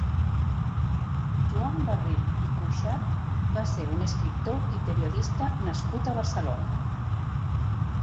Joan Barril i Cuixart va ser un escriptor i periodista nascut a Barcelona.